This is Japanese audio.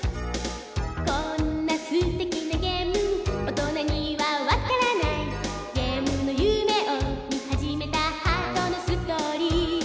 「こんなすてきなゲーム大人にはわからない」「ゲームの夢をみはじめたハートのストーリー」